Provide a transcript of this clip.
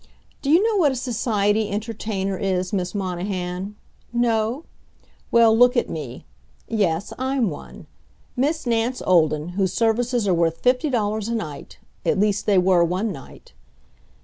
Do you know what a society entertainer is, Miss Monahan? No? Well, look at me. Yes, I'm one. Miss Nance Olden, whose services are worth fifty dollars a night at least, they were one night.